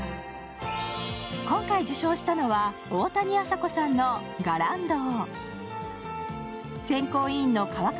今回、受賞したのは大谷朝子さんの「がらんどう」。